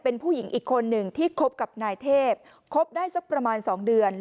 เป็นผู้หญิงอีกคนหนึ่งที่คบกับนายเทพคบได้สักประมาณ๒เดือน